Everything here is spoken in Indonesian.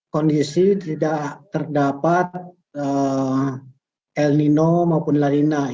kondisi tidak terdapat el nino maupun larina